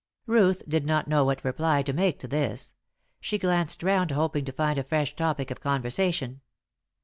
Ruth did not know what reply to make to this: she glanced round hoping to find a fresh topic of conversation.